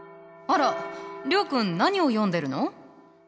あら諒君何を読んでるの？